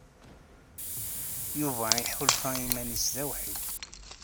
Yuba iḥulfa iman-is d awḥid.